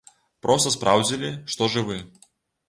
Проста спраўдзілі, што жывы.